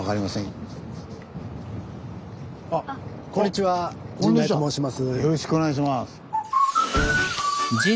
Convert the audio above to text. よろしくお願いします。